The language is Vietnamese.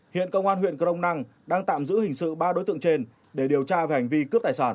hiện công an huyện crong năng đang tạm giữ hình sự ba đối tượng trên để điều tra về hành vi cướp tài sản